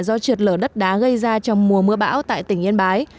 do trượt lở đất đá gây ra trong mùa mưa bão tại tỉnh yên bái